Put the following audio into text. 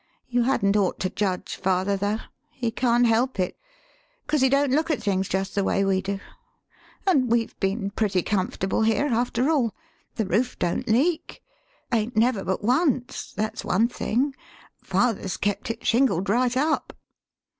You hadn't ought to judge father, though. He can't help it, 'cause he don't look at things jest the way we do. An' we've been pretty comfortable here, after all. The roof don't leak 'ain't never but once that's one thing. Father's kept it shin gled right up."